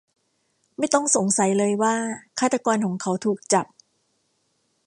ไม่ต้องสงสัยเลยว่าฆาตกรของเขาถูกจับ